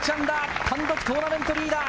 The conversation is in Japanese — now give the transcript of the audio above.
単独トーナメントリーダー！